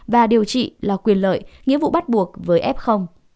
và điều trị là quyền lợi nhiệm vụ bắt buộc với ép không